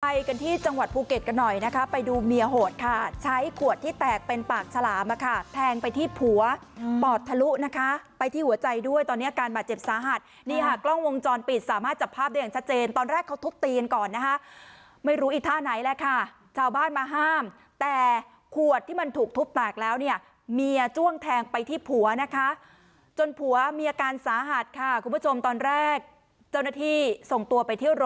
ไปกันที่จังหวัดภูเก็ตกันหน่อยนะคะไปดูเมียโหดค่ะใช้ขวดที่แตกเป็นปากฉลามค่ะแทงไปที่ผัวปอดทะลุนะคะไปที่หัวใจด้วยตอนนี้การบาดเจ็บสาหัสนี่ค่ะกล้องวงจรปิดสามารถจับภาพได้อย่างชัดเจนตอนแรกเขาทุบตีนก่อนนะคะไม่รู้อีกท่าไหนแหละค่ะชาวบ้านมาห้ามแต่ขวดที่มันถูกทุบตากแล้วเนี่ยเมียจ้ว